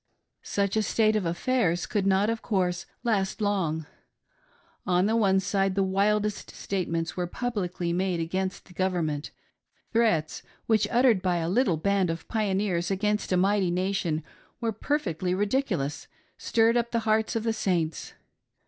Such a state of affairs could not, of course, last long. On the one side the wildest statements were publicly made against the Government ; threats which uttered by a little band of pioneers against a mighty nation were perfectly ridiculous, stirred up the hearts of the Saints.